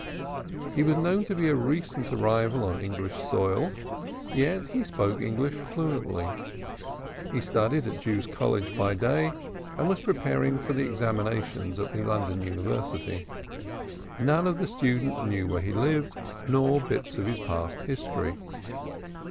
He was known to be a recent arrival on English soil, yet he spoke English fluently. He studied at Jews' College by day and was preparing for the examinations at the London University. None of the other students knew where he lived nor a bit of his past history.